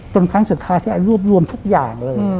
ครั้งสุดท้ายที่ไอ้รวบรวมทุกอย่างเลย